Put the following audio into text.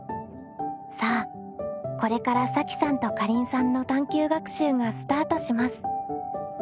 さあこれからさきさんとかりんさんの探究学習がスタートします。